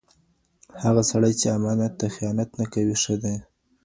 هغه سړی چي امانت ته خیانت نه کوي، ښه دی.